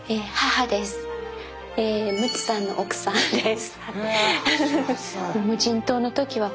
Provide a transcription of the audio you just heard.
ムツさんの奥さんです。